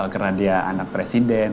karena dia anak presiden